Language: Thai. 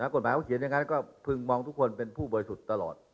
กฎหมายเขาเขียนอย่างนั้นก็พึงมองทุกคนเป็นผู้บริสุทธิ์ตลอด